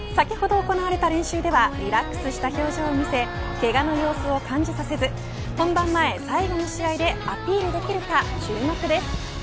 先ほど行われた練習ではリラックスした表情を見せけがの様子を感じさせず本番前最後の試合ではい。